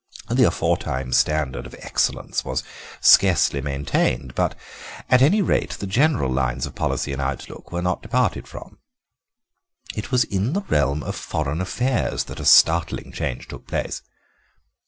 The aforetime standard of excellence was scarcely maintained, but at any rate the general lines of policy and outlook were not departed from. It was in the realm of foreign affairs that a startling change took place.